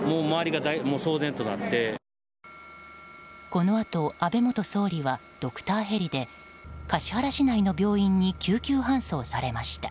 この後、安倍元総理はドクターヘリで橿原市内の病院に救急搬送されました。